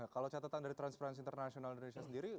kalau catatan dari transparency international indonesia sendiri